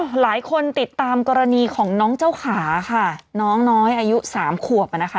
หลายคนติดตามกรณีของน้องเจ้าขาค่ะน้องน้อยอายุสามขวบอ่ะนะคะ